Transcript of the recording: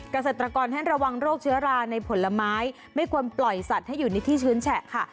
เกษตรกรให้ระวังโรคเชื้อราในผลไม้ไม่ควรปล่อยสัตว์ให้อยู่ในที่ชื้นแฉะค่ะ